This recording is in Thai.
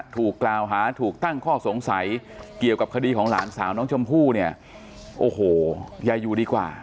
ถูกกล่าวหาถูกตั้งข้อสงสัยเกี่ยวกับคดีของหลานสาวน้องชมพู่เนี่ยโอ้โหอย่าอยู่ดีกว่า